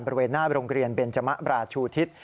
บริเวณหน้าโรงเรียนเบนจมะบราชูทิศ